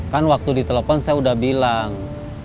kan waktu di telepon saya udah bilang